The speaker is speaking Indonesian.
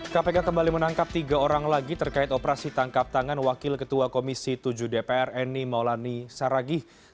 kpk kembali menangkap tiga orang lagi terkait operasi tangkap tangan wakil ketua komisi tujuh dpr eni maulani saragih